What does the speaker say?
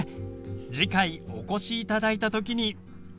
次回お越しいただいた時に。